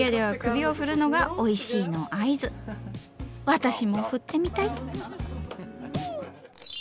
私も振ってみたい！